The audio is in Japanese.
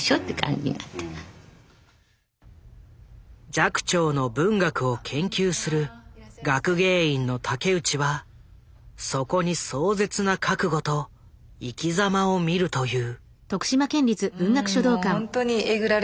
寂聴の文学を研究する学芸員の竹内はそこに壮絶な覚悟と生きざまを見ると言う。